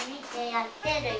やってるよ